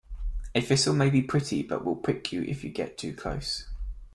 A thistle may be pretty but will prick you if you get too close.